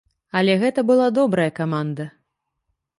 Але гэта была добрая каманда.